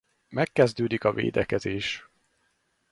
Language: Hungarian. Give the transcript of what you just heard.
Megkezdődik a védekezés.